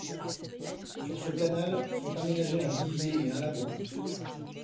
Sur ce canal sont aménagés un vivier et un lavoir.